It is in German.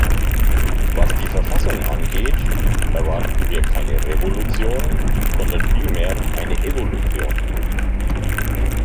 Was die Verfassung angeht, erwarten wir keine Revolution, sondern vielmehr eine Evolution.